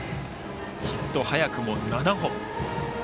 ヒットが早くも７本。